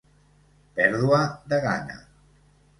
Pèrdua de gana.